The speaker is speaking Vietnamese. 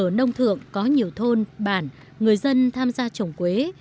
hiện nay ở nông thượng có nhiều thôn bản người dân tham gia trồng quế